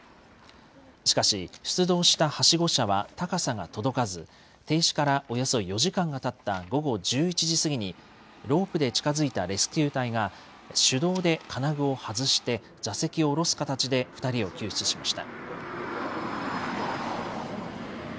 しかし、出動したはしご車は高さが届かず、停止からおよそ４時間がたった午後１１時過ぎに、ロープで近付いたレスキュー隊が、手動で金具を外して、座席を降ろす形で２人を救出しました。